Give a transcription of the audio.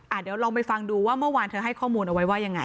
เดี๋ยวลองไปฟังดูว่าเมื่อวานเธอให้ข้อมูลเอาไว้ว่ายังไง